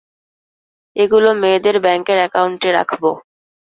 এগুলো মেয়েদের ব্যাংকের একাউন্টে রাখবো।